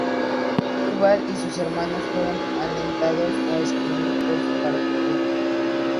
Iqbal y sus hermanos fueron alentados a escribir por su padre.